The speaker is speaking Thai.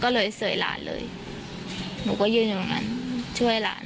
ก็เลยเสยหลานเลยหนูก็ยืนอยู่ตรงนั้นช่วยหลาน